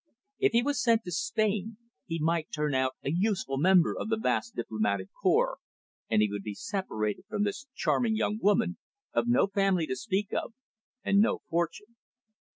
If he was sent to Spain, he might turn out a useful member of the vast diplomatic corps, and he would be separated from this charming young woman, of no family to speak of, and no fortune.